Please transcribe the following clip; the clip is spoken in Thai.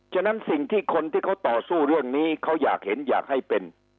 ฉะนั้นสิ่งที่คนที่เขาต่อสู้เรื่องนี้เขาอยากเห็นอยากให้เป็น